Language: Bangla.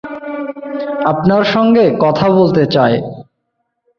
আপনার সঙ্গে কথা বলতে চায়।